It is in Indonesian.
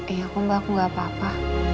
iya mbak aku gak apa apa